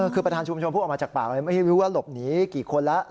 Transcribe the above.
คือประธานชุมชนพูดออกมาจากปากเลยไม่รู้ว่าหลบหนีกี่คนแล้ว